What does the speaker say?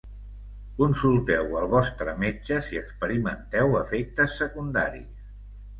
Consulteu el vostre metge si experimenteu efectes secundaris.